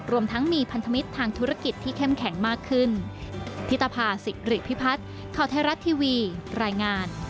รวมทั้งมีพันธมิตรทางธุรกิจที่เข้มแข็งมากขึ้น